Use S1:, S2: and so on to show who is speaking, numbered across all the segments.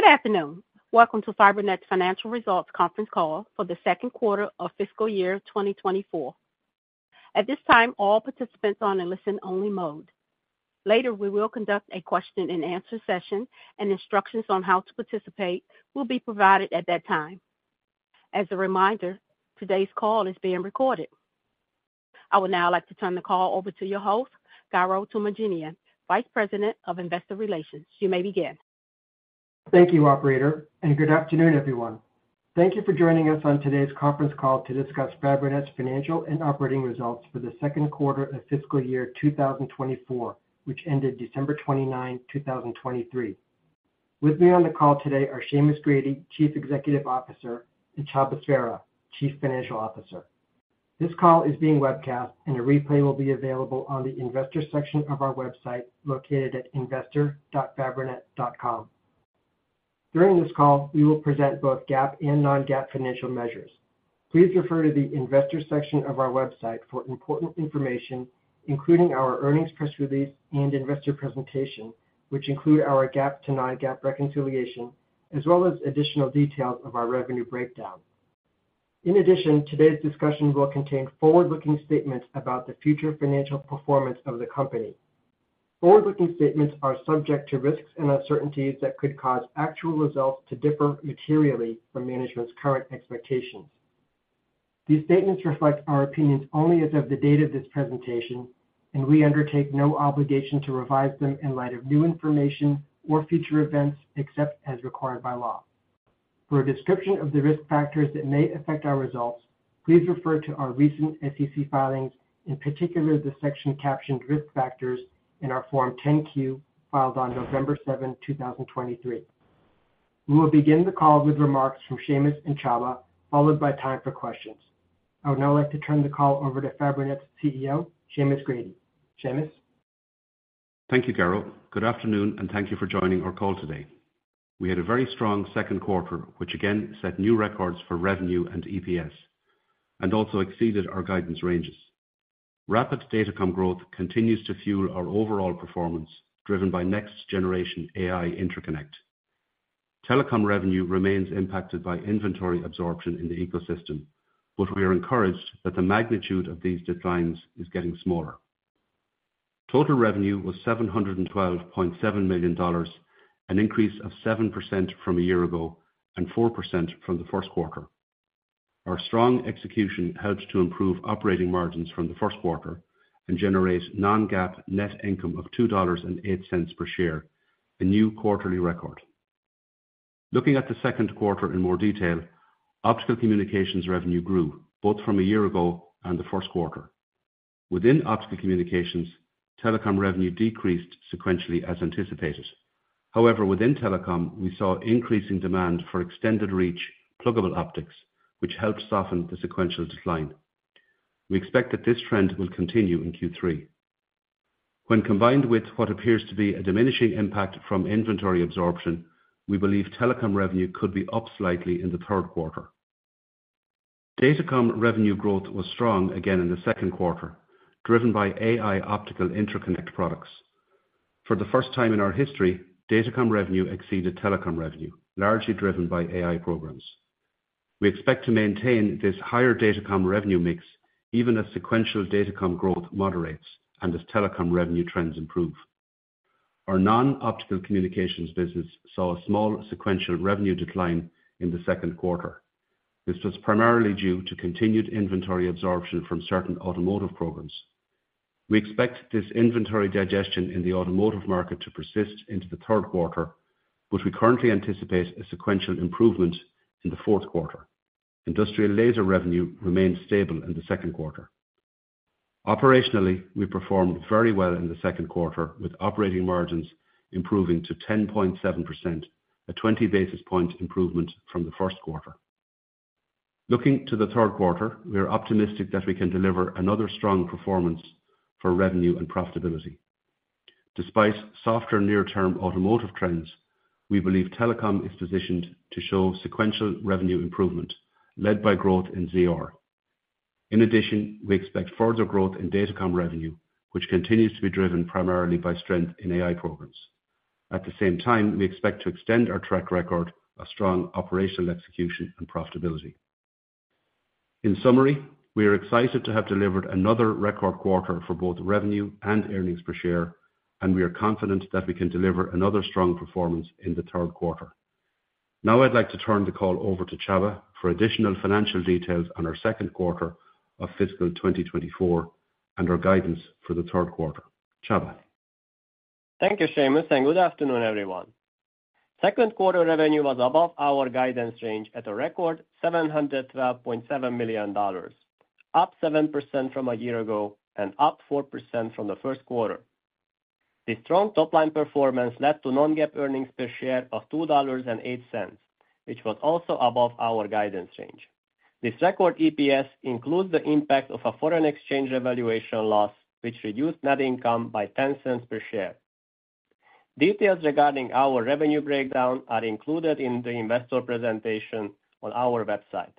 S1: Good afternoon. Welcome to Fabrinet's Financial Results conference call for the second quarter of fiscal year 2024. At this time, all participants are on a listen-only mode. Later, we will conduct a question-and-answer session, and instructions on how to participate will be provided at that time. As a reminder, today's call is being recorded. I would now like to turn the call over to your host, Garo Toomajanian, Vice President of Investor Relations. You may begin.
S2: Thank you, operator, and good afternoon, everyone. Thank you for joining us on today's conference call to discuss Fabrinet's financial and operating results for the second quarter of fiscal year 2024, which ended December 29, 2023. With me on the call today are Seamus Grady, Chief Executive Officer, and Csaba Sverha, Chief Financial Officer. This call is being webcast, and a replay will be available on the investor section of our website, located at investor.fabrinet.com. During this call, we will present both GAAP and non-GAAP financial measures. Please refer to the investor section of our website for important information, including our earnings press release and investor presentation, which include our GAAP to non-GAAP reconciliation, as well as additional details of our revenue breakdown. In addition, today's discussion will contain forward-looking statements about the future financial performance of the company. Forward-looking statements are subject to risks and uncertainties that could cause actual results to differ materially from management's current expectations. These statements reflect our opinions only as of the date of this presentation, and we undertake no obligation to revise them in light of new information or future events, except as required by law. For a description of the risk factors that may affect our results, please refer to our recent SEC filings, in particular, the section captioned Risk Factors in our Form 10-Q, filed on November 7, 2023. We will begin the call with remarks from Seamus and Csaba, followed by time for questions. I would now like to turn the call over to Fabrinet's CEO, Seamus Grady. Seamus?
S3: Thank you, Garo. Good afternoon, and thank you for joining our call today. We had a very strong second quarter, which again set new records for revenue and EPS and also exceeded our guidance ranges. Rapid Datacom growth continues to fuel our overall performance, driven by next-generation AI interconnect. Telecom revenue remains impacted by inventory absorption in the ecosystem, but we are encouraged that the magnitude of these declines is getting smaller. Total revenue was $712.7 million, an increase of 7% from a year ago and 4% from the first quarter. Our strong execution helped to improve operating margins from the first quarter and generate non-GAAP net income of $2.08 per share, a new quarterly record. Looking at the second quarter in more detail, Optical Communications revenue grew both from a year ago and the first quarter. Within Optical Communications, Telecom revenue decreased sequentially as anticipated. However, within Telecom, we saw increasing demand for extended reach pluggable optics, which helped soften the sequential decline. We expect that this trend will continue in Q3. When combined with what appears to be a diminishing impact from inventory absorption, we believe Telecom revenue could be up slightly in the third quarter. Datacom revenue growth was strong again in the second quarter, driven by AI optical interconnect products. For the first time in our history, Datacom revenue exceeded Telecom revenue, largely driven by AI programs. We expect to maintain this higher Datacom revenue mix even as sequential Datacom growth moderates and as Telecom revenue trends improve. Our Non-Optical Communications business saw a small sequential revenue decline in the second quarter. This was primarily due to continued inventory absorption from certain Automotive programs. We expect this inventory digestion in the automotive market to persist into the third quarter, but we currently anticipate a sequential improvement in the fourth quarter. Industrial laser revenue remained stable in the second quarter. Operationally, we performed very well in the second quarter, with operating margins improving to 10.7%, a 20 basis point improvement from the first quarter. Looking to the third quarter, we are optimistic that we can deliver another strong performance for revenue and profitability. Despite softer near-term automotive trends, we believe Telecom is positioned to show sequential revenue improvement led by growth in ZR. In addition, we expect further growth in Datacom revenue, which continues to be driven primarily by strength in AI programs. At the same time, we expect to extend our track record of strong operational execution and profitability. In summary, we are excited to have delivered another record quarter for both revenue and earnings per share, and we are confident that we can deliver another strong performance in the third quarter. Now, I'd like to turn the call over to Csaba for additional financial details on our second quarter of fiscal 2024 and our guidance for the third quarter. Csaba?
S4: Thank you, Seamus, and good afternoon, everyone. Second quarter revenue was above our guidance range at a record $712.7 million, up 7% from a year ago and up 4% from the first quarter. This strong top-line performance led to non-GAAP earnings per share of $2.08, which was also above our guidance range. This record EPS includes the impact of a foreign exchange revaluation loss, which reduced net income by $0.10 per share. Details regarding our revenue breakdown are included in the investor presentation on our website.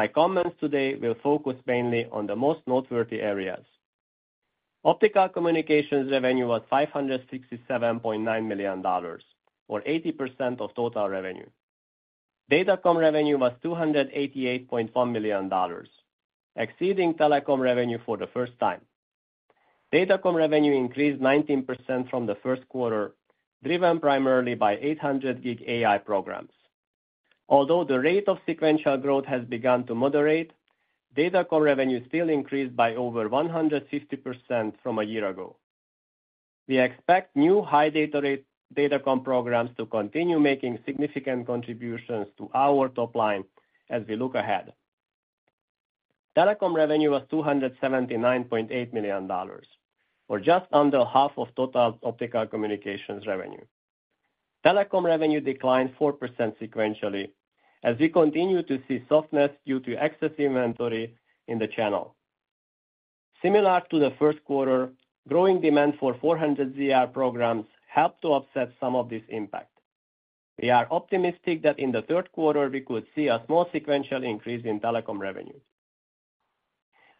S4: My comments today will focus mainly on the most noteworthy areas. Optical Communications revenue was $567.9 million, or 80% of total revenue. Datacom revenue was $288.1 million, exceeding Telecom revenue for the first time. Datacom revenue increased 19% from the first quarter, driven primarily by 800G AI programs. Although the rate of sequential growth has begun to moderate, Datacom revenue still increased by over 150% from a year ago. We expect new high data rate Datacom programs to continue making significant contributions to our top line as we look ahead. Telecom revenue was $279.8 million, or just under half of total Optical Communications revenue. Telecom revenue declined 4% sequentially, as we continue to see softness due to excess inventory in the channel. Similar to the first quarter, growing demand for 400ZR programs helped to offset some of this impact. We are optimistic that in the third quarter, we could see a small sequential increase in Telecom revenue.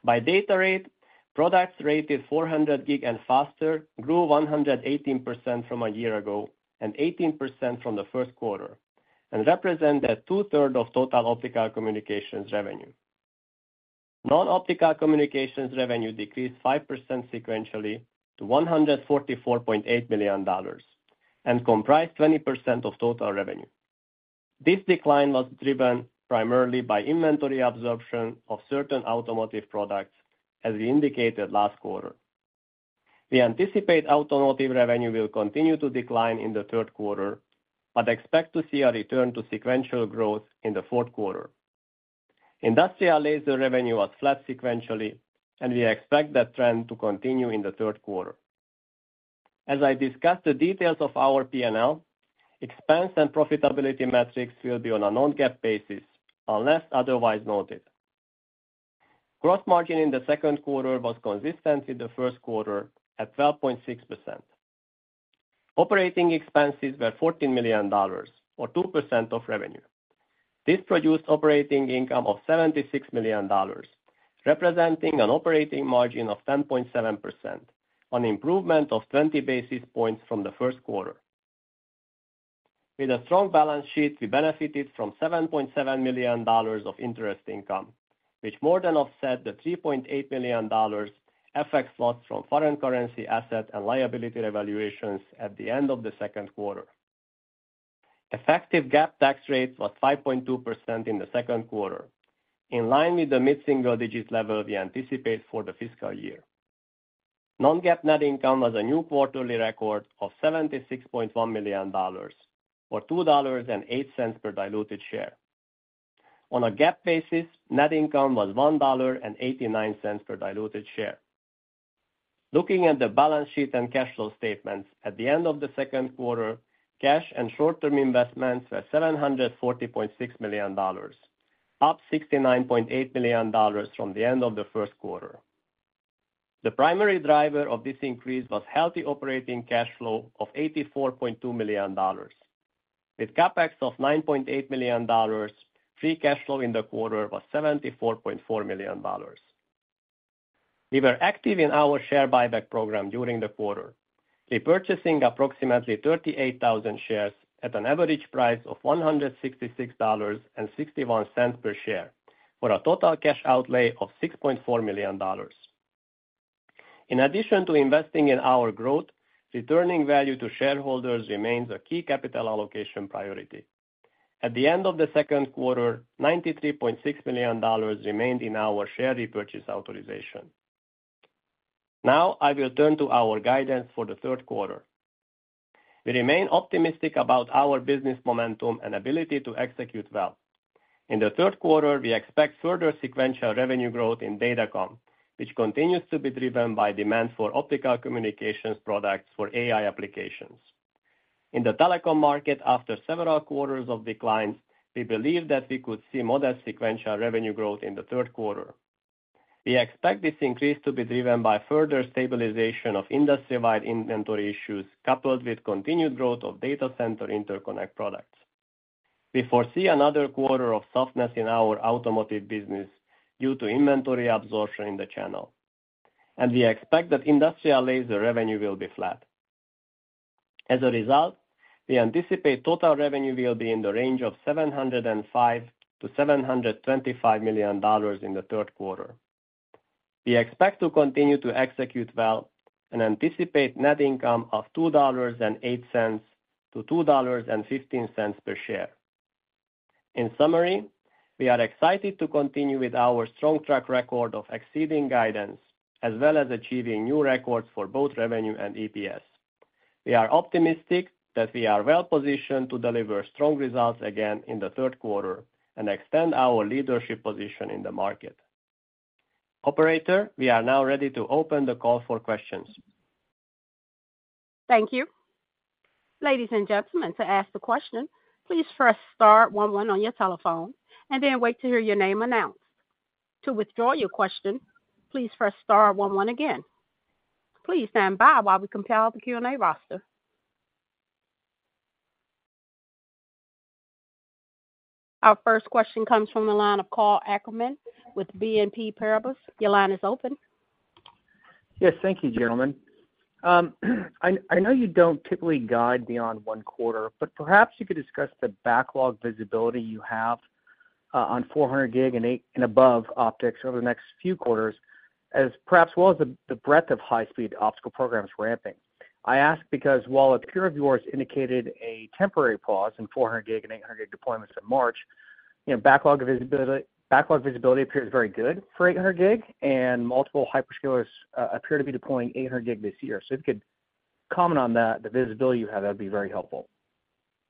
S4: By data rate, products rated 400G and faster grew 118% from a year ago and 18% from the first quarter, and represent that two-thirds of total optical communications revenue. Non-optical communications revenue decreased 5% sequentially to $144.8 million and comprised 20% of total revenue. This decline was driven primarily by inventory absorption of certain automotive products, as we indicated last quarter. We anticipate automotive revenue will continue to decline in the third quarter, but expect to see a return to sequential growth in the fourth quarter. Industrial laser revenue was flat sequentially, and we expect that trend to continue in the third quarter. As I discuss the details of our P&L, expense and profitability metrics will be on a non-GAAP basis, unless otherwise noted. Gross margin in the second quarter was consistent with the first quarter at 12.6%. Operating expenses were $14 million, or 2% of revenue. This produced operating income of $76 million, representing an operating margin of 10.7%, an improvement of 20 basis points from the first quarter. With a strong balance sheet, we benefited from $7.7 million of interest income, which more than offset the $3.8 million FX loss from foreign currency asset and liability revaluations at the end of the second quarter. Effective GAAP tax rate was 5.2% in the second quarter, in line with the mid-single digit level we anticipate for the fiscal year. Non-GAAP net income was a new quarterly record of $76.1 million, or $2.08 per diluted share. On a GAAP basis, net income was $1.89 per diluted share. Looking at the balance sheet and cash flow statements at the end of the second quarter, cash and short-term investments were $740.6 million, up $69.8 million from the end of the first quarter. The primary driver of this increase was healthy operating cash flow of $84.2 million. With CapEx of $9.8 million, free cash flow in the quarter was $74.4 million. We were active in our share buyback program during the quarter, repurchasing approximately 38,000 shares at an average price of $166.61 per share, for a total cash outlay of $6.4 million. In addition to investing in our growth, returning value to shareholders remains a key capital allocation priority. At the end of the second quarter, $93.6 million remained in our share repurchase authorization. Now, I will turn to our guidance for the third quarter. We remain optimistic about our business momentum and ability to execute well. In the third quarter, we expect further sequential revenue growth in Datacom, which continues to be driven by demand for optical communications products for AI applications. In the telecom market, after several quarters of declines, we believe that we could see modest sequential revenue growth in the third quarter. We expect this increase to be driven by further stabilization of industry-wide inventory issues, coupled with continued growth of data center interconnect products. We foresee another quarter of softness in our automotive business due to inventory absorption in the channel, and we expect that industrial laser revenue will be flat. As a result, we anticipate total revenue will be in the range of $705 million-$725 million in the third quarter. We expect to continue to execute well and anticipate net income of $2.08-$2.15 per share. In summary, we are excited to continue with our strong track record of exceeding guidance, as well as achieving new records for both revenue and EPS. We are optimistic that we are well positioned to deliver strong results again in the third quarter and extend our leadership position in the market. Operator, we are now ready to open the call for questions.
S1: Thank you. Ladies and gentlemen, to ask a question, please press star one one on your telephone and then wait to hear your name announced. To withdraw your question, please press star one one again. Please stand by while we compile the Q&A roster.... Our first question comes from the line of Karl Ackerman with BNP Paribas. Your line is open.
S5: Yes, thank you, gentlemen. I know you don't typically guide beyond one quarter, but perhaps you could discuss the backlog visibility you have on 400 gig and 800 and above optics over the next few quarters, as perhaps well as the breadth of high-speed optical programs ramping. I ask because while a peer of yours indicated a temporary pause in 400 gig and 800 gig deployments in March, you know, backlog visibility appears very good for 800 gig, and multiple hyperscalers appear to be deploying 800 gig this year. So if you could comment on that, the visibility you have, that'd be very helpful.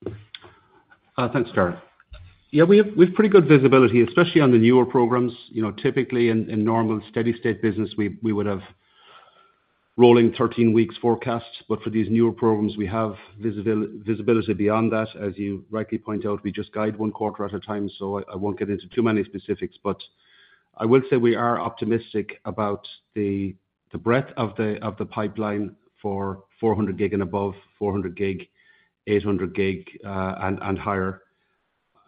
S3: Thanks, Darren. Yeah, we have we have pretty good visibility, especially on the newer programs. You know, typically in, in normal steady state business, we, we would have rolling 13 weeks forecasts, but for these newer programs, we have visibility beyond that. As you rightly point out, we just guide one quarter at a time, so I, I won't get into too many specifics. But I will say we are optimistic about the, the breadth of the, of the pipeline for 400 gig and above, 400 gig, 800 gig, and, and higher.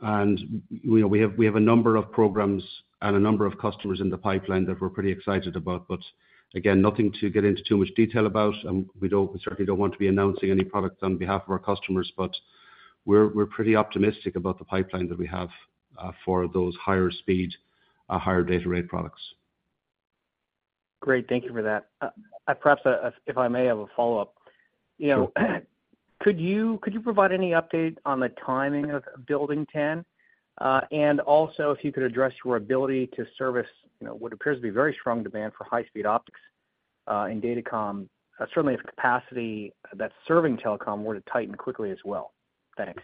S3: And, you know, we have, we have a number of programs and a number of customers in the pipeline that we're pretty excited about. But again, nothing to get into too much detail about, and we don't, we certainly don't want to be announcing any products on behalf of our customers, but we're, we're pretty optimistic about the pipeline that we have for those higher speed, higher data rate products.
S5: Great. Thank you for that. Perhaps, if I may have a follow-up.
S3: Sure.
S5: You know, could you, could you provide any update on the timing of Building 10? And also if you could address your ability to service, you know, what appears to be very strong demand for high-speed optics in Datacom, certainly if capacity that's serving Telecom were to tighten quickly as well. Thanks.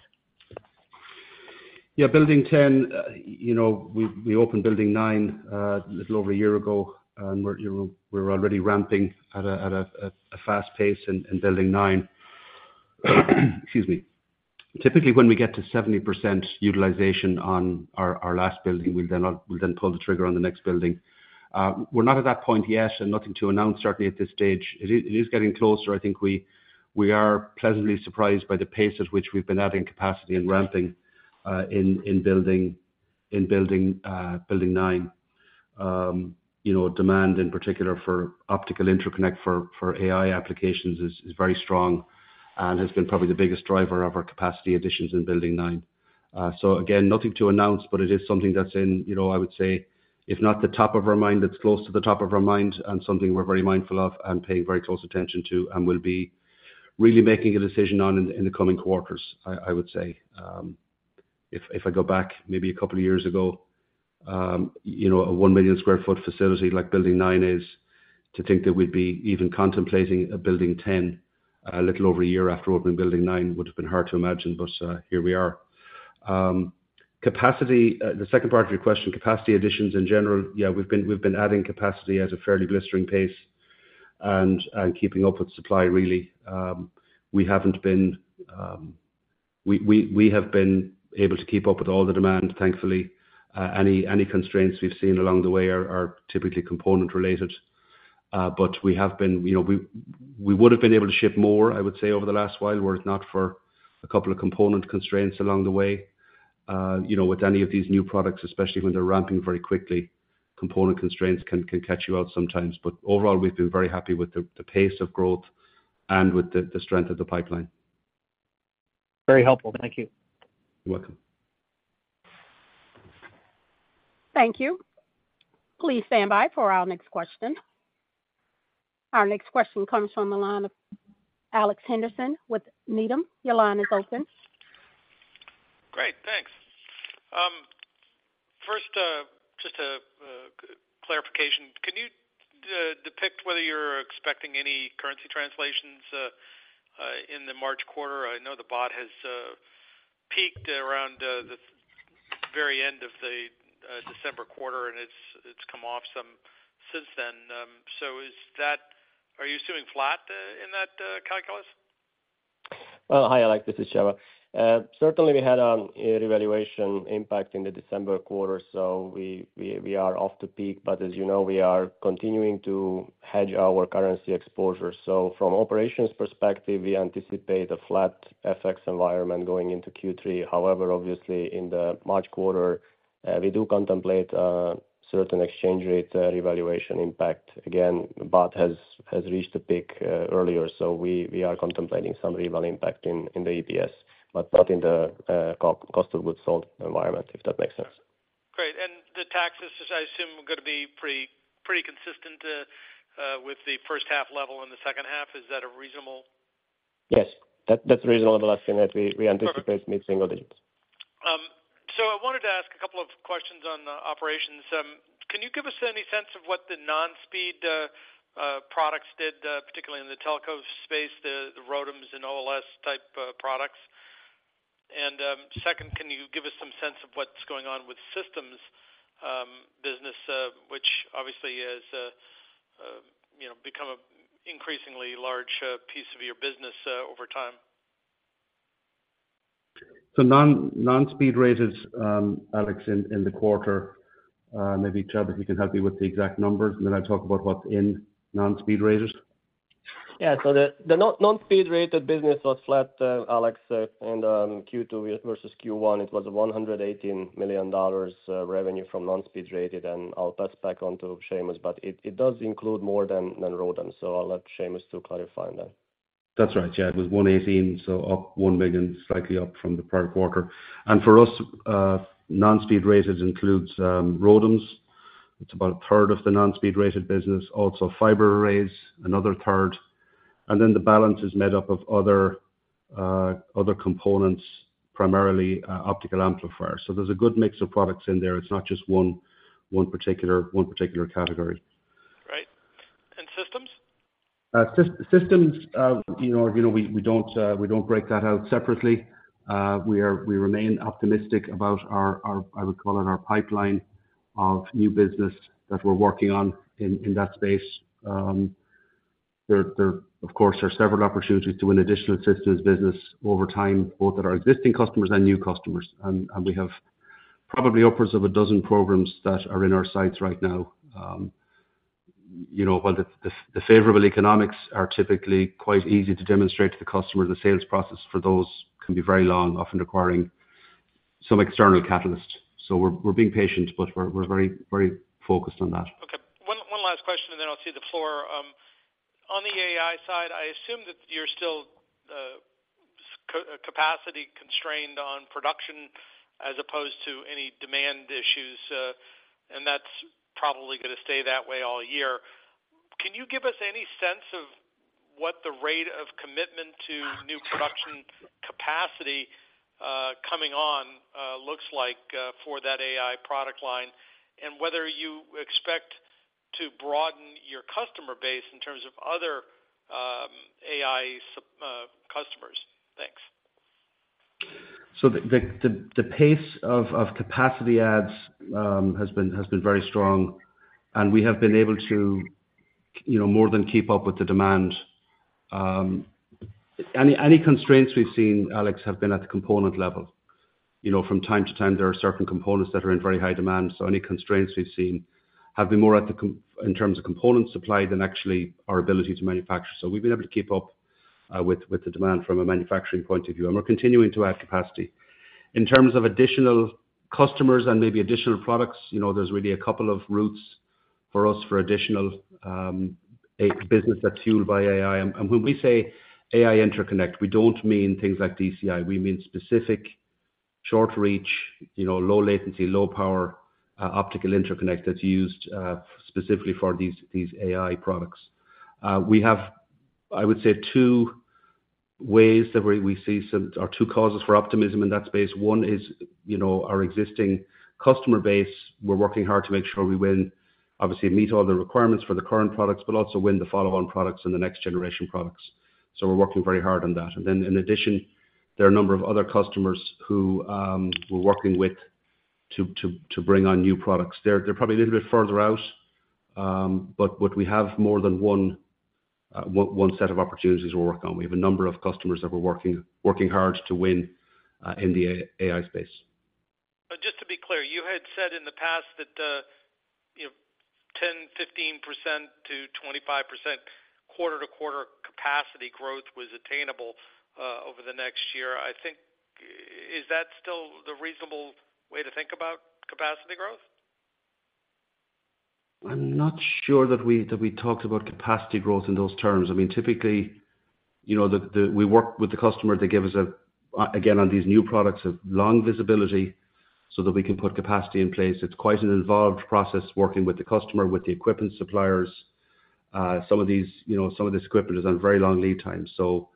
S3: Yeah, Building 10, you know, we opened Building 9 a little over a year ago, and we're, you know, we're already ramping at a fast pace in Building 9. Excuse me. Typically, when we get to 70% utilization on our last building, we'll then pull the trigger on the next building. We're not at that point yet, and nothing to announce certainly at this stage. It is getting closer. I think we are pleasantly surprised by the pace at which we've been adding capacity and ramping in Building 9. You know, demand in particular for optical interconnect for AI applications is very strong and has been probably the biggest driver of our capacity additions in Building 9. So again, nothing to announce, but it is something that's in, you know, I would say, if not the top of our mind, it's close to the top of our mind and something we're very mindful of and paying very close attention to, and will be really making a decision on in the coming quarters, I would say. If I go back maybe a couple of years ago, you know, a 1 million sq ft facility like Building 9, to think that we'd be even contemplating a Building 10 a little over a year after opening Building 9, would have been hard to imagine, but here we are. Capacity, the second part of your question, capacity additions in general. Yeah, we've been adding capacity at a fairly blistering pace and keeping up with supply really. We have been able to keep up with all the demand, thankfully. Any constraints we've seen along the way are typically component related. But we have been, you know, we would have been able to ship more, I would say, over the last while, were it not for a couple of component constraints along the way. You know, with any of these new products, especially when they're ramping very quickly, component constraints can catch you out sometimes. But overall, we've been very happy with the pace of growth and with the strength of the pipeline.
S5: Very helpful. Thank you.
S3: You're welcome.
S1: Thank you. Please stand by for our next question. Our next question comes from the line of Alex Henderson with Needham. Your line is open.
S6: Great, thanks. First, just a clarification. Can you detail whether you're expecting any currency translations in the March quarter? I know the baht has peaked around the very end of the December quarter, and it's come off some since then. So, are you assuming flat in that calculation?
S4: Well, hi, Alex, this is Csaba. Certainly we had a revaluation impact in the December quarter, so we are off the peak. But as you know, we are continuing to hedge our currency exposure. So from operations perspective, we anticipate a flat FX environment going into Q3. However, obviously in the March quarter, we do contemplate certain exchange rate revaluation impact. Again, baht has reached a peak earlier, so we are contemplating some reval impact in the EPS, but not in the cost of goods sold environment, if that makes sense.
S6: Great. And the taxes, I assume, are gonna be pretty, pretty consistent with the first half level and the second half. Is that a reasonable-
S4: Yes, that's a reasonable assumption that we-
S6: Perfect.
S4: We anticipate mid single digits.
S6: So I wanted to ask a couple of questions on the operations. Can you give us any sense of what the non-speed products did, particularly in the telco space, the ROADMs and OLS type products? And second, can you give us some sense of what's going on with systems business, which obviously is, you know, become an increasingly large piece of your business over time?
S3: Non-speed rated, Alex. In the quarter, maybe Csaba, you can help me with the exact numbers, and then I'll talk about what's in non-speed rated....
S4: Yeah, so the non-speed rated business was flat, Alex, in Q2 versus Q1. It was $118 million revenue from non-speed rated, and I'll pass back on to Seamus, but it does include more than ROADMs, so I'll let Seamus to clarify on that.
S3: That's right. Yeah, it was $118, so up $1 million, slightly up from the prior quarter. And for us, non-speed rated includes ROADMs. It's about a third of the non-speed rated business, also fiber arrays, another third, and then the balance is made up of other, other components, primarily optical amplifiers. So there's a good mix of products in there. It's not just one, one particular, one particular category.
S6: Right. And systems?
S3: Systems, you know, we don't break that out separately. We remain optimistic about our pipeline of new business that we're working on in that space. There, of course, are several opportunities to win additional systems business over time, both at our existing customers and new customers. We have probably upwards of a dozen programs that are in our sights right now. You know, while the favorable economics are typically quite easy to demonstrate to the customer, the sales process for those can be very long, often requiring some external catalyst. So we're being patient, but we're very focused on that.
S6: Okay. One last question, and then I'll cede the floor. On the AI side, I assume that you're still capacity constrained on production as opposed to any demand issues, and that's probably gonna stay that way all year. Can you give us any sense of what the rate of commitment to new production capacity coming on looks like for that AI product line? And whether you expect to broaden your customer base in terms of other AI customers? Thanks.
S3: So the pace of capacity adds has been very strong, and we have been able to, you know, more than keep up with the demand. Any constraints we've seen, Alex, have been at the component level. You know, from time to time, there are certain components that are in very high demand, so any constraints we've seen have been more in terms of component supply than actually our ability to manufacture. So we've been able to keep up with the demand from a manufacturing point of view, and we're continuing to add capacity. In terms of additional customers and maybe additional products, you know, there's really a couple of routes for us for additional a business that's fueled by AI. And when we say AI interconnect, we don't mean things like DCI. We mean specific short reach, you know, low latency, low power, optical interconnect that's used, specifically for these, these AI products. We have, I would say, two ways that we see some or two causes for optimism in that space. One is, you know, our existing customer base. We're working hard to make sure we win, obviously meet all the requirements for the current products, but also win the follow-on products and the next generation products. So we're working very hard on that. And then in addition, there are a number of other customers who, we're working with to bring on new products. They're probably a little bit further out, but what we have more than one, one set of opportunities we're working on. We have a number of customers that we're working hard to win in the AI space.
S6: So just to be clear, you had said in the past that, you know, 10%-15% to 25% quarter-to-quarter capacity growth was attainable over the next year. I think... Is that still the reasonable way to think about capacity growth?
S3: I'm not sure that we talked about capacity growth in those terms. I mean, typically, you know, we work with the customer to give us a, again, on these new products, a long visibility so that we can put capacity in place. It's quite an involved process, working with the customer, with the equipment suppliers. Some of these, you know, some of this equipment is on very long lead time, so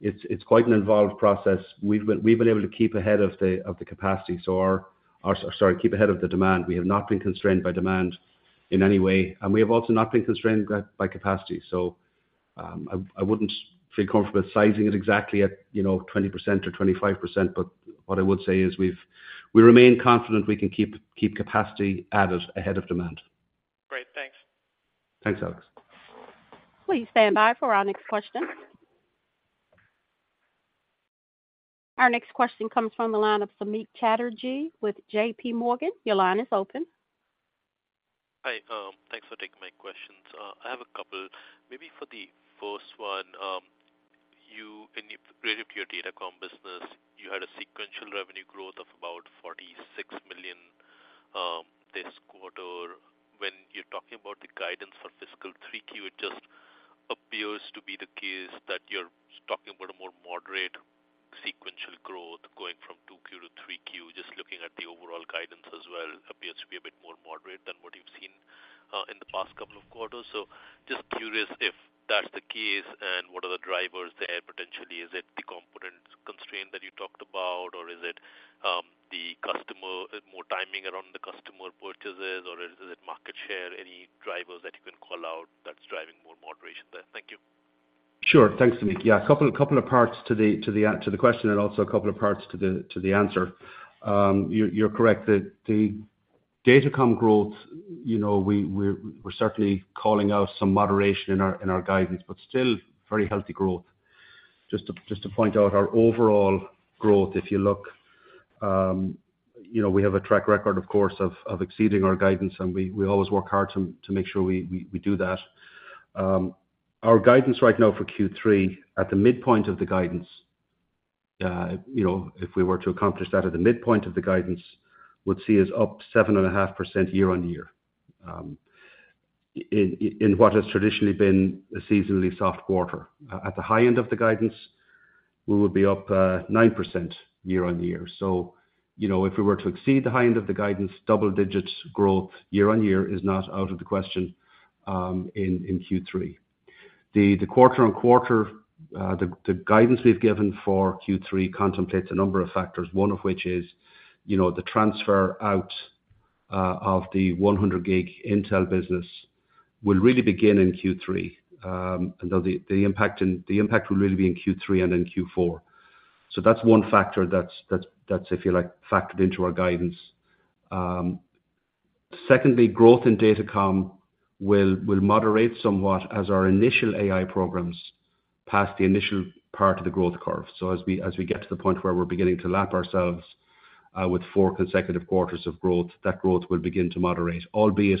S3: it's quite an involved process. We've been able to keep ahead of the capacity, so our... Sorry, keep ahead of the demand. We have not been constrained by demand in any way, and we have also not been constrained by capacity. I wouldn't feel comfortable sizing it exactly at, you know, 20% or 25%, but what I would say is we remain confident we can keep capacity added ahead of demand.
S6: Great. Thanks.
S3: Thanks, Alex.
S1: Please stand by for our next question. Our next question comes from the line of Samik Chatterjee with JPMorgan. Your line is open.
S7: Hi, thanks for taking my questions. I have a couple. Maybe for the first one, you, in related to your Datacom business, you had a sequential revenue growth of about $46 million this quarter. When you're talking about the guidance for fiscal 3Q, it just appears to be the case that you're talking about a more moderate sequential growth, going from 2Q to 3Q. Just looking at the overall guidance as well, appears to be a bit more moderate than what you've seen in the past couple of quarters. So just curious if that's the case, and what are the drivers there potentially? Is it the component constraint that you talked about, or is it the customer, more timing around the customer purchases, or is it market share? Any drivers that you can call out that's driving more moderation there? Thank you.
S3: Sure. Thanks, Samik. Yeah, a couple of parts to the question and also a couple of parts to the answer. You're correct that the Datacom growth, you know, we're certainly calling out some moderation in our guidance, but still very healthy growth. Just to point out our overall growth, if you look, you know, we have a track record, of course, of exceeding our guidance, and we always work hard to make sure we do that. Our guidance right now for Q3, at the midpoint of the guidance, you know, if we were to accomplish that, at the midpoint of the guidance, would see us up 7.5% year-on-year in what has traditionally been a seasonally soft quarter. At the high end of the guidance, we will be up 9% year-over-year. So, you know, if we were to exceed the high end of the guidance, double digits growth year-over-year is not out of the question in Q3. The quarter-over-quarter guidance we've given for Q3 contemplates a number of factors, one of which is, you know, the transfer out of the 100G Intel business will really begin in Q3. And the impact will really be in Q3 and in Q4. So that's one factor that's, if you like, factored into our guidance. Secondly, growth in Datacom will moderate somewhat as our initial AI programs pass the initial part of the growth curve. So as we get to the point where we're beginning to lap ourselves with four consecutive quarters of growth, that growth will begin to moderate. Albeit,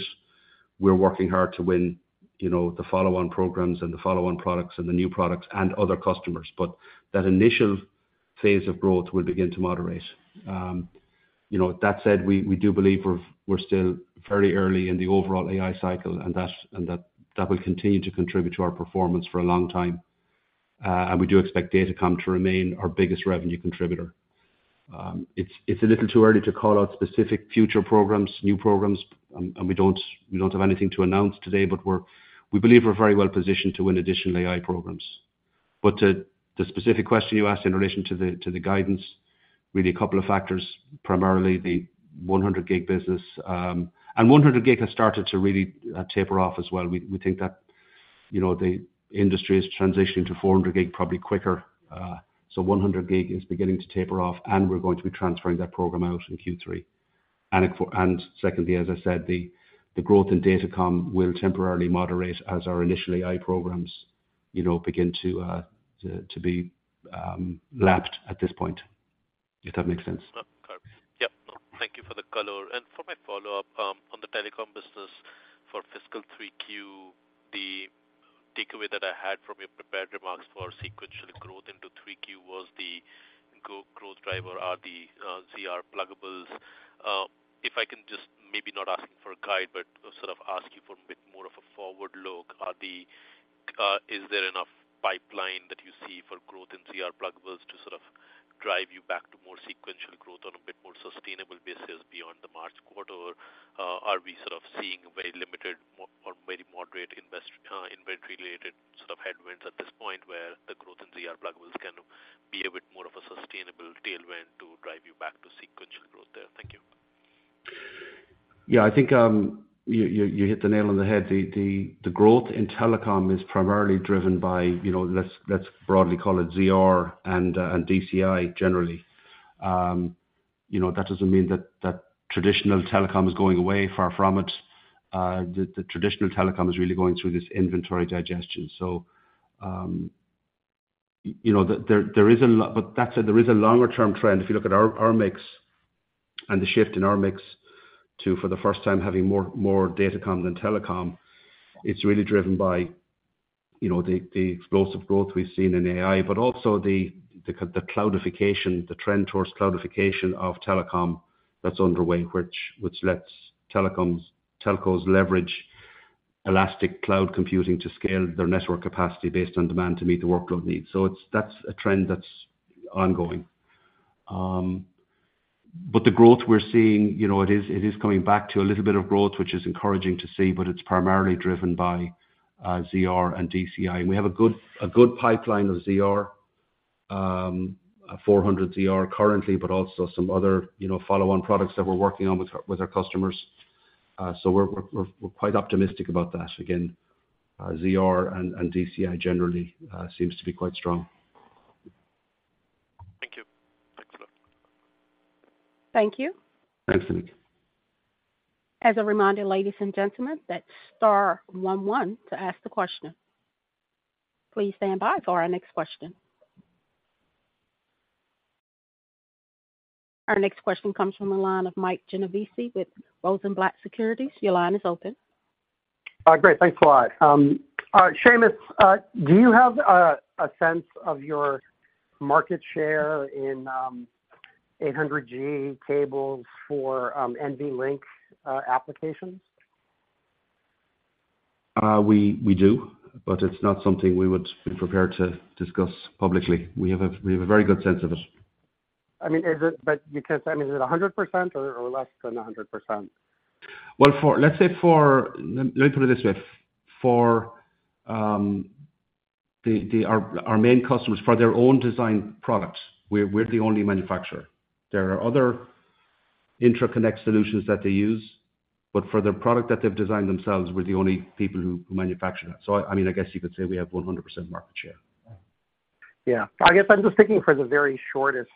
S3: we're working hard to win, you know, the follow-on programs and the follow-on products and the new products and other customers. But that initial phase of growth will begin to moderate. You know, that said, we do believe we're still very early in the overall AI cycle, and that will continue to contribute to our performance for a long time. And we do expect Datacom to remain our biggest revenue contributor. It's a little too early to call out specific future programs, new programs, and we don't have anything to announce today, but we believe we're very well positioned to win additional AI programs. But to the specific question you asked in relation to the, to the guidance, really a couple of factors, primarily the 100G business. And 100G has started to really taper off as well. We think that, you know, the industry is transitioning to 400 gig, probably quicker. So 100G is beginning to taper off, and we're going to be transferring that program out in Q3. And secondly, as I said, the growth in Datacom will temporarily moderate as our initial AI programs, you know, begin to be lapped at this point, if that makes sense.
S7: Got it. Yep. Thank you for the color. And for my follow-up, on the telecom business, for fiscal 3Q, the takeaway that I had from your prepared remarks for sequential growth into 3Q was the growth driver are the ZR pluggables. If I can just maybe not ask for a guide, but sort of ask you for a bit more of a forward look. Is there enough pipeline that you see for growth in ZR pluggables to sort of drive you back to more sequential growth on a bit more sustainable basis beyond the March quarter? Or, are we sort of seeing a very limited or very moderate investment, inventory-related sort of headwinds at this point, where the growth in ZR pluggables can be a bit more of a sustainable tailwind to drive you back to sequential growth there? Thank you.
S3: Yeah, I think you hit the nail on the head. The growth in telecom is primarily driven by, you know, let's broadly call it ZR and DCI, generally. You know, that doesn't mean that traditional telecom is going away, far from it. The traditional telecom is really going through this inventory digestion. So, you know, but that said, there is a longer-term trend. If you look at our mix and the shift in our mix to, for the first time, having more Datacom than Telecom, it's really driven by, you know, the explosive growth we've seen in AI, but also the cloudification, the trend towards cloudification of telecom that's underway, which lets telecoms... Telcos leverage elastic cloud computing to scale their network capacity based on demand to meet the workload needs. That's a trend that's ongoing. But the growth we're seeing, you know, it is coming back to a little bit of growth, which is encouraging to see, but it's primarily driven by 400ZR and DCI. And we have a good pipeline of 400ZR currently, but also some other, you know, follow-on products that we're working on with our customers. So we're quite optimistic about that. Again, 400ZR and DCI generally seems to be quite strong.
S7: Thank you. Thanks a lot.
S1: Thank you.
S3: Thanks, Samik.
S1: As a reminder, ladies and gentlemen, that's star one one to ask a question. Please stand by for our next question. Our next question comes from the line of Mike Genovese with Rosenblatt Securities. Your line is open.
S8: Great. Thanks a lot. Seamus, do you have a sense of your market share in 800G cables for NVLink applications?
S3: We do, but it's not something we would be prepared to discuss publicly. We have a very good sense of it.
S8: I mean, is it... But you can't tell me, is it 100% or, or less than 100%?
S3: Well, let's say let me put it this way: For our main customers, for their own design products, we're the only manufacturer. There are other interconnect solutions that they use, but for the product that they've designed themselves, we're the only people who manufacture that. So, I mean, I guess you could say we have 100% market share.
S8: Yeah. I guess I'm just thinking for the very shortest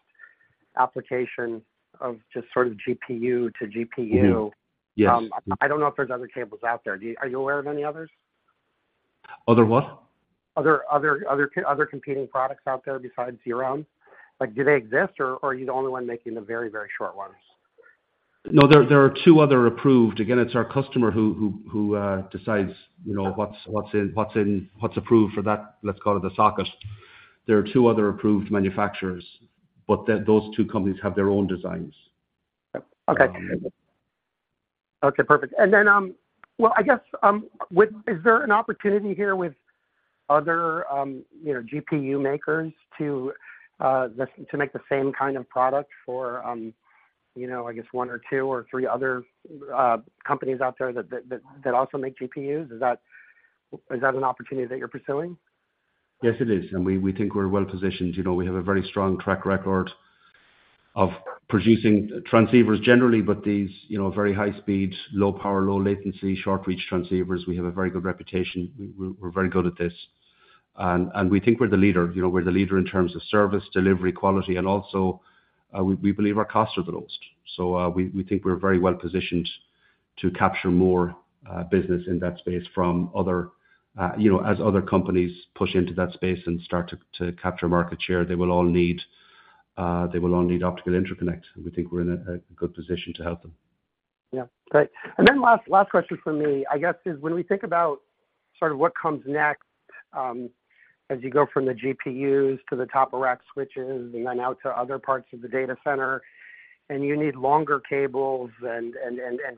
S8: application of just sort of GPU to GPU.
S3: Mm-hmm. Yes.
S8: I don't know if there's other cables out there. Are you aware of any others?
S3: Other what?
S8: Other competing products out there besides your own? Like, do they exist, or are you the only one making the very, very short ones?
S3: No, there are two other approved. Again, it's our customer who decides, you know, what's in, what's approved for that, let's call it the socket. There are two other approved manufacturers, but those two companies have their own designs.
S8: Okay.
S3: Um-
S8: Okay, perfect. And then, well, I guess, with other, you know, GPU makers to, to make the same kind of product for, you know, I guess one or two or three other companies out there that also make GPUs? Is that, is that an opportunity that you're pursuing?
S3: Yes, it is, and we think we're well positioned. You know, we have a very strong track record of producing transceivers generally, but these, you know, very high speed, low power, low latency, short reach transceivers, we have a very good reputation. We're very good at this. And we think we're the leader, you know, we're the leader in terms of service, delivery, quality, and also, we believe our costs are the lowest. So, we think we're very well positioned to capture more business in that space from other... You know, as other companies push into that space and start to capture market share, they will all need optical interconnect, and we think we're in a good position to help them.
S8: Yeah. Great. And then last, last question from me, I guess, is when we think about sort of what comes next, as you go from the GPUs to the top-of-rack switches and then out to other parts of the data center, and you need longer cables and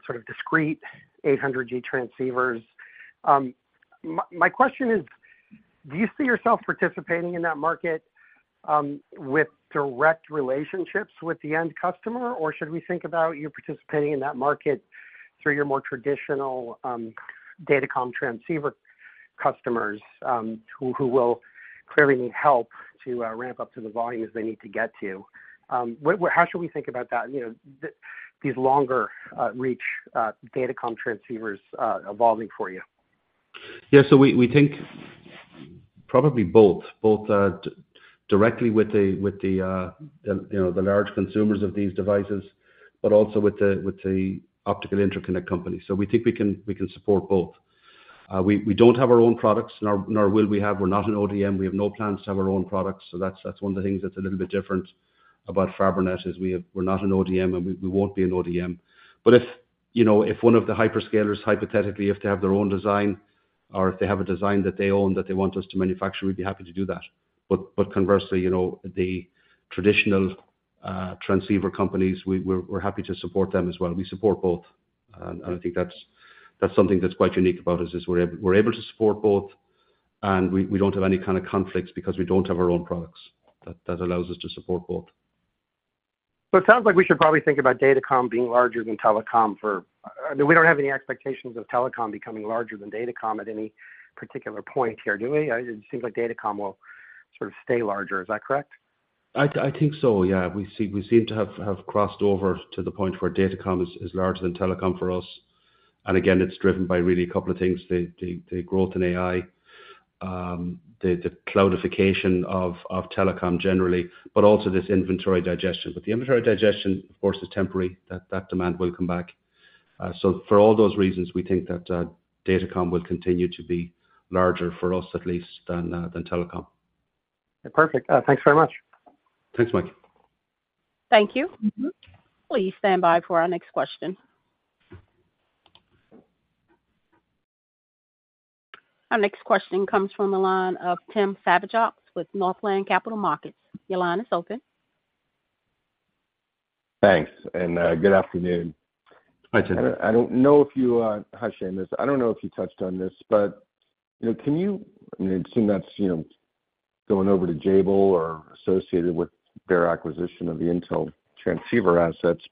S8: sort of discrete 800G transceivers. My, my question is: Do you see yourself participating in that market, with direct relationships with the end customer? Or should we think about you participating in that market through your more traditional, Datacom transceiver customers, who, who will clearly need help to ramp up to the volumes they need to get to? What, what-- how should we think about that, you know, the, these longer, reach, Datacom transceivers, evolving for you?
S3: Yeah, so we think probably both. Both, directly with the, with the, the, you know, the large consumers of these devices, but also with the, with the optical interconnect company. So we think we can support both. We don't have our own products, nor will we have. We're not an ODM. We have no plans to have our own products, so that's one of the things that's a little bit different about Fabrinet, is we're not an ODM, and we won't be an ODM. But if, you know, if one of the hyperscalers, hypothetically, if they have their own design or if they have a design that they own, that they want us to manufacture, we'd be happy to do that. But conversely, you know, the traditional transceiver companies, we're happy to support them as well. We support both, and I think that's something that's quite unique about us, is we're able to support both, and we don't have any kind of conflicts because we don't have our own products. That allows us to support both.
S8: So it sounds like we should probably think about Datacom being larger than Telecom for... I mean, we don't have any expectations of Telecom becoming larger than Datacom at any particular point here, do we? It seems like Datacom will sort of stay larger. Is that correct?
S3: I think so, yeah. We seem to have crossed over to the point where Datacom is larger than Telecom for us, and again, it's driven by really a couple of things, the growth in AI, the cloudification of Telecom generally, but also this inventory digestion. But the inventory digestion, of course, is temporary. That demand will come back. So for all those reasons, we think that Datacom will continue to be larger for us, at least, than Telecom.
S8: Perfect. Thanks very much.
S3: Thanks, Mike.
S1: Thank you. Mm-hmm. Please stand by for our next question. Our next question comes from the line of Tim Savageaux with Northland Capital Markets. Your line is open.
S9: Thanks, and good afternoon.
S3: Hi, Tim.
S9: I don't know if you... Hi, Seamus. I don't know if you touched on this, but, you know, can you—I mean, assuming that's, you know, going over to Jabil or associated with their acquisition of the Intel transceiver assets,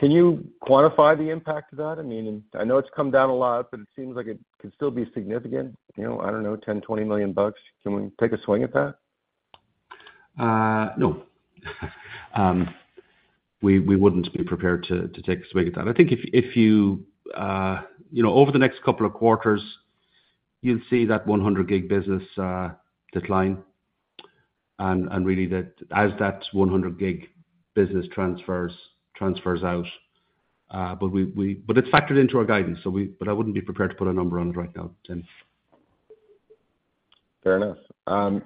S9: but can you quantify the impact of that? I mean, and I know it's come down a lot, but it seems like it could still be significant. You know, I don't know, $10 million-$20 million. Can we take a swing at that?
S3: No. We wouldn't be prepared to take a swing at that. I think if you know, over the next couple of quarters, you'll see that 100 gig business decline and really that, as that 100 gig business transfers out, but we... But it's factored into our guidance, so we- but I wouldn't be prepared to put a number on it right now, Tim.
S9: Fair enough.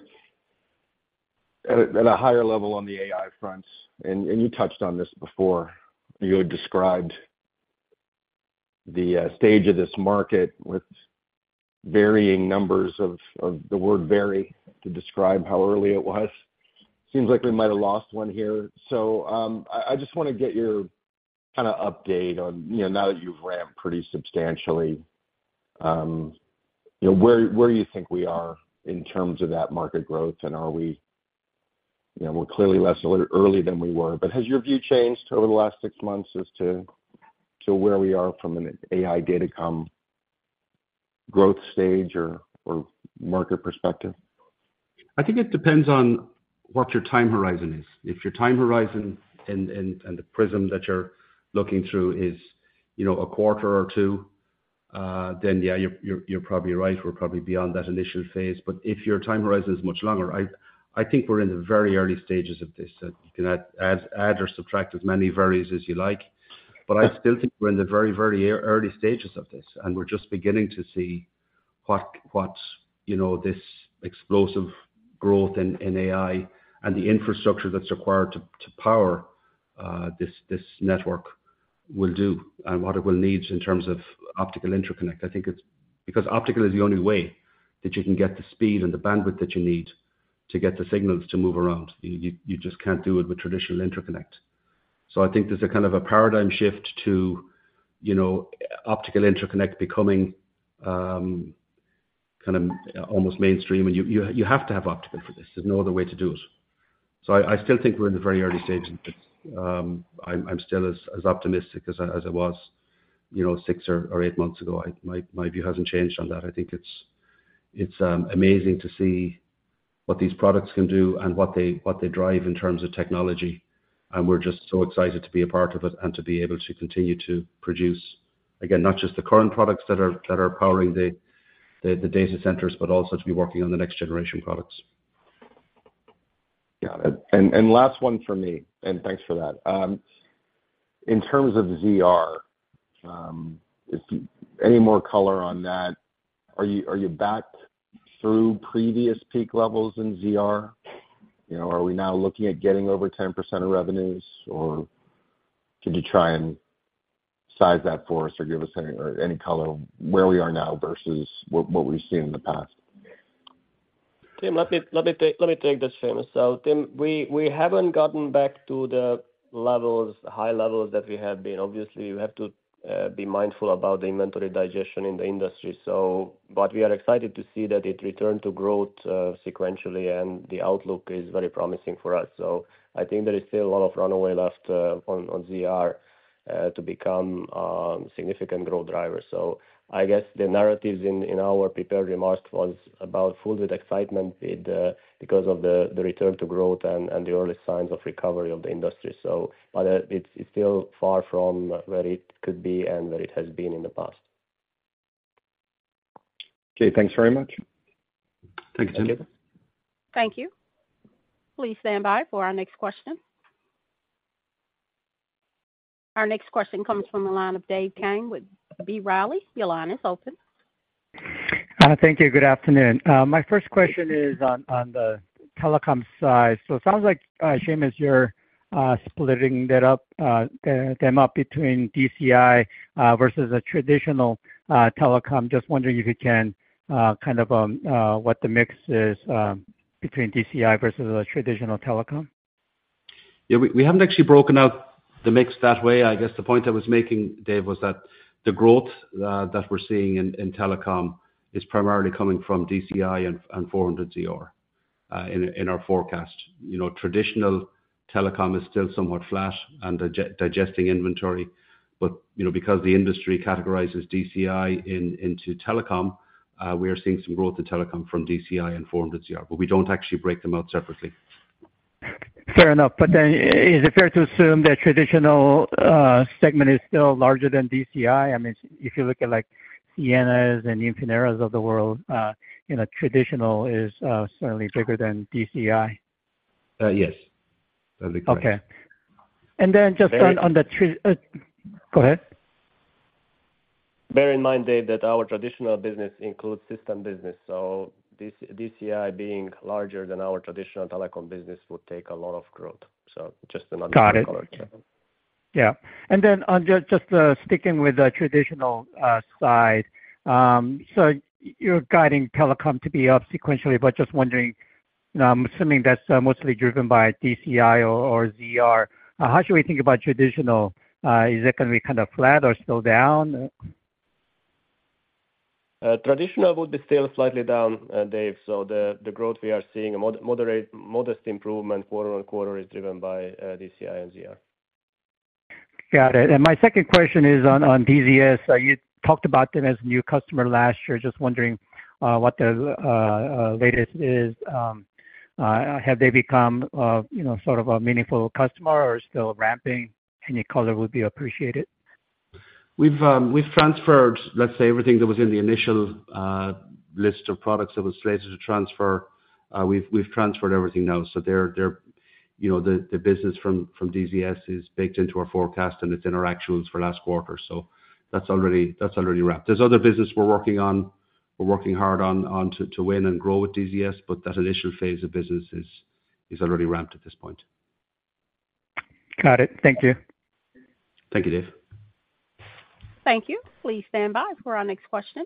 S9: At a higher level on the AI front, and you touched on this before, you had described the stage of this market with varying numbers of the word vary to describe how early it was. Seems like we might have lost one here. So, I just want to get your kind of update on, you know, now that you've ramped pretty substantially, you know, where you think we are in terms of that market growth and are we— You know, we're clearly less early than we were, but has your view changed over the last six months as to where we are from an AI Datacom growth stage or market perspective?
S3: I think it depends on what your time horizon is. If your time horizon and the prism that you're looking through is, you know, a quarter or two, then yeah, you're probably right. We're probably beyond that initial phase, but if your time horizon is much longer, I think we're in the very early stages of this. You can add or subtract as many variables as you like, but I still think we're in the very, very early stages of this, and we're just beginning to see what, you know, this explosive growth in AI and the infrastructure that's required to power this network will do and what it will need in terms of optical interconnect. I think it's because optical is the only way that you can get the speed and the bandwidth that you need to get the signals to move around. You just can't do it with traditional interconnect. So I think there's a kind of a paradigm shift to, you know, optical interconnect becoming kind of almost mainstream, and you have to have optical for this. There's no other way to do it. So I still think we're in the very early stages, but I'm still as optimistic as I was, you know, six or eight months ago. My view hasn't changed on that. I think it's amazing to see what these products can do and what they drive in terms of technology, and we're just so excited to be a part of it and to be able to continue to produce, again, not just the current products that are powering the data centers, but also to be working on the next generation products.
S9: Got it. And last one for me, and thanks for that. In terms of ZR, is any more color on that? Are you back through previous peak levels in ZR? You know, are we now looking at getting over 10% of revenues, or could you try and size that for us or give us any color on where we are now versus what we've seen in the past?
S4: Tim, let me take this, Seamus. So Tim, we haven't gotten back to the high levels that we have been. Obviously, you have to be mindful about the inventory digestion in the industry, so. But we are excited to see that it returned to growth sequentially, and the outlook is very promising for us. So I think there is still a lot of runway left on ZR to become a significant growth driver. So I guess the narrative in our prepared remarks was filled with excitement because of the return to growth and the early signs of recovery of the industry. But it's still far from where it could be and where it has been in the past.
S9: Okay, thanks very much.
S3: Thank you, Tim.
S4: Thank you.
S1: Thank you. Please stand by for our next question. Our next question comes from the line of Dave Kang with B. Riley. Your line is open.
S10: Thank you. Good afternoon. My first question is on the telecom side. So it sounds like, Seamus, you're splitting them up between DCI versus a traditional telecom. Just wondering if you can kind of what the mix is between DCI versus a traditional telecom.
S3: Yeah, we haven't actually broken out the mix that way. I guess the point I was making, Dave, was that the growth that we're seeing in telecom is primarily coming from DCI and 400ZR in our forecast. You know, traditional telecom is still somewhat flat and digesting inventory, but you know, because the industry categorizes DCI into telecom, we are seeing some growth in telecom from DCI and 400ZR, but we don't actually break them out separately.
S10: Fair enough. But then is it fair to assume that traditional segment is still larger than DCI? I mean, if you look at, like, Ciena and the Infinera of the world, you know, traditional is certainly bigger than DCI.
S3: Yes, that'll be correct.
S10: Okay. And then just on, go ahead.
S4: Bear in mind, Dave, that our traditional business includes system business, so this DCI being larger than our traditional telecom business would take a lot of growth. So just another-
S10: Got it.
S4: Color.
S10: Yeah. And then on just, just sticking with the traditional side. So you're guiding telecom to be up sequentially, but just wondering, I'm assuming that's mostly driven by DCI or, or ZR. How should we think about traditional? Is it gonna be kind of flat or still down?
S4: Traditional would be still slightly down, Dave. So the growth we are seeing, a moderate, modest improvement quarter on quarter is driven by DCI and ZR.
S10: Got it. And my second question is on DZS. You talked about them as a new customer last year. Just wondering what the latest is. Have they become, you know, sort of a meaningful customer or still ramping? Any color would be appreciated.
S3: We've transferred, let's say, everything that was in the initial list of products that was slated to transfer. We've transferred everything now, so they're, you know, the business from DZS is baked into our forecast, and it's in our actuals for last quarter. So that's already wrapped. There's other business we're working on. We're working hard on to win and grow with DZS, but that initial phase of business is already wrapped at this point.
S10: Got it. Thank you.
S3: Thank you, Dave.
S1: Thank you. Please stand by for our next question.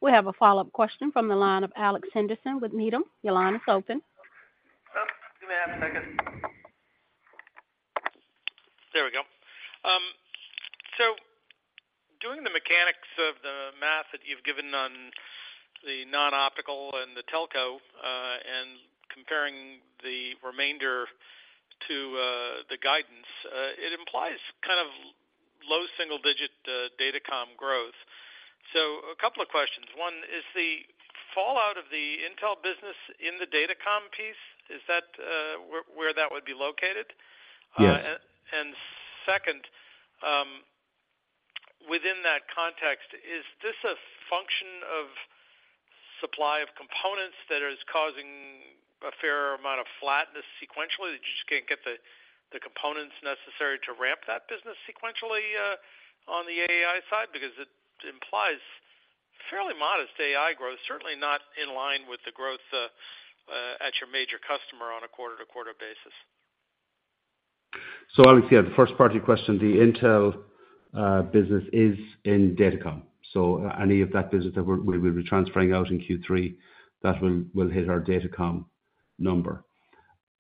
S1: We have a follow-up question from the line of Alex Henderson with Needham. Your line is open.
S6: Give me half a second. There we go. So, doing the mechanics of the math that you've given on the non-optical and the telco, and comparing the remainder to the guidance, it implies kind of low single-digit Datacom growth. So a couple of questions. One, is the fallout of the Intel business in the Datacom piece, is that where that would be located?
S3: Yes.
S6: And second, within that context, is this a function of supply of components that is causing a fair amount of flatness sequentially, that you just can't get the components necessary to ramp that business sequentially, on the AI side? Because it implies fairly modest AI growth, certainly not in line with the growth at your major customer on a quarter-to-quarter basis.
S3: So obviously, on the first part of your question, the Intel business is in Datacom. So any of that business that we're, we'll be transferring out in Q3, that will, will hit our Datacom number.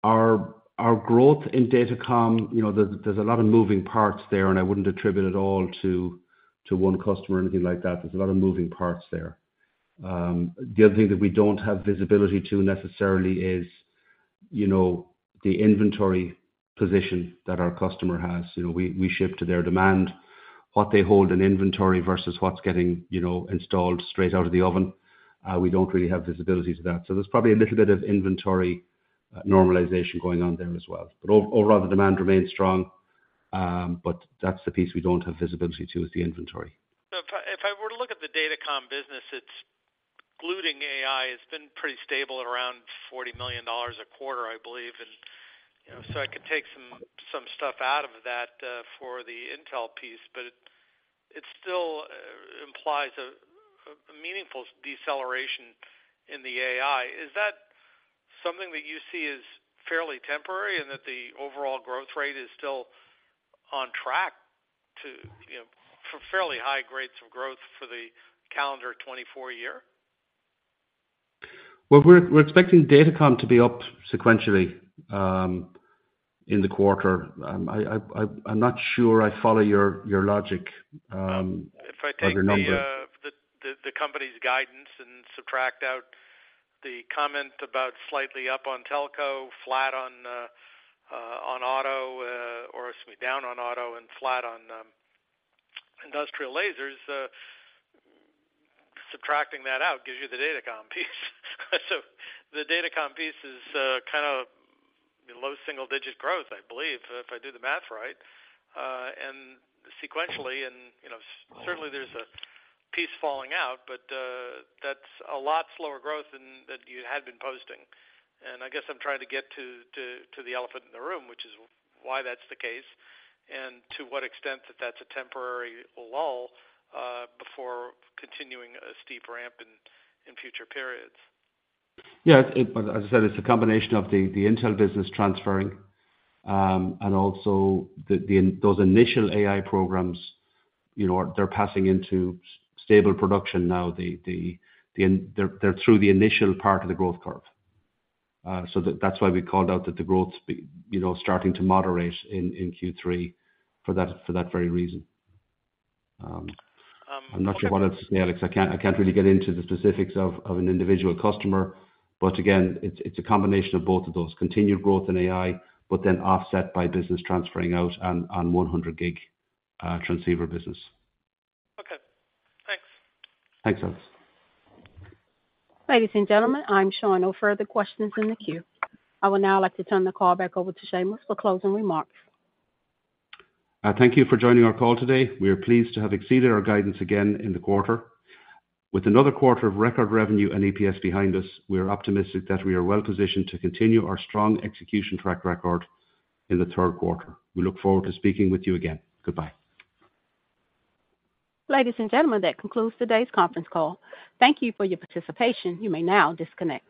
S3: Our, our growth in Datacom, you know, there's, there's a lot of moving parts there, and I wouldn't attribute it all to, to one customer or anything like that. There's a lot of moving parts there. The other thing that we don't have visibility to necessarily is, you know, the inventory position that our customer has. You know, we, we ship to their demand. What they hold in inventory versus what's getting, you know, installed straight out of the oven, we don't really have visibility to that. So there's probably a little bit of inventory normalization going on there as well. But overall, the demand remains strong, but that's the piece we don't have visibility to, is the inventory.
S6: So if I were to look at the Datacom business, it's, including AI, it's been pretty stable at around $40 million a quarter, I believe. And, you know, so I could take some stuff out of that for the Intel piece, but it still implies a meaningful deceleration in the AI. Is that something that you see as fairly temporary, and that the overall growth rate is still on track to, you know, for fairly high rates of growth for the calendar 2024 year?
S3: Well, we're expecting Datacom to be up sequentially in the quarter. I'm not sure I follow your logic or your numbers.
S6: If I take the company's guidance and subtract out the comment about slightly up on Telecom, flat on Automotive, or excuse me, down on Automotive and flat on industrial lasers, subtracting that out gives you the Datacom piece. So the Datacom piece is kind of low single-digit growth, I believe, if I do the math right. And sequentially and, you know, certainly there's a piece falling out, but that's a lot slower growth than that you had been posting. And I guess I'm trying to get to the elephant in the room, which is why that's the case, and to what extent that that's a temporary lull before continuing a steep ramp in future periods.
S3: Yeah, but as I said, it's a combination of the Intel business transferring, and also those initial AI programs, you know, they're passing into stable production now. They're through the initial part of the growth curve. So that's why we called out that the growth's you know, starting to moderate in Q3 for that very reason. I'm not sure what else to say, Alex. I can't really get into the specifics of an individual customer, but again, it's a combination of both of those. Continued growth in AI, but then offset by business transferring out and 100 gig transceiver business.
S6: Okay, thanks.
S3: Thanks, Alex.
S1: Ladies and gentlemen, I'm showing no further questions in the queue. I would now like to turn the call back over to Seamus for closing remarks.
S3: Thank you for joining our call today. We are pleased to have exceeded our guidance again in the quarter. With another quarter of record revenue and EPS behind us, we are optimistic that we are well positioned to continue our strong execution track record in the third quarter. We look forward to speaking with you again. Goodbye.
S1: Ladies and gentlemen, that concludes today's conference call. Thank you for your participation. You may now disconnect.